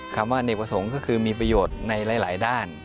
คำว่าเนกประสงค์ก็คือมีประโยชน์ในหลายด้าน